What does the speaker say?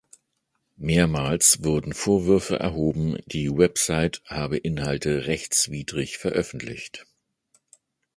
Mehrmals wurden Vorwürfe erhoben, die Website habe Inhalte rechtswidrig veröffentlicht.